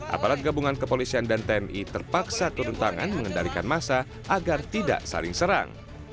aparat gabungan kepolisian dan tni terpaksa turun tangan mengendalikan masa agar tidak saling serang